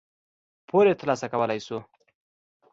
پور یې ترلاسه کولای شو.